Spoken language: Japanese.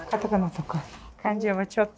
漢字はちょっと。